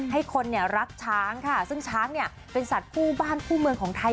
ให้คนรักช้างค่ะซึ่งช้างเนี่ยเป็นสัตว์คู่บ้านคู่เมืองของไทย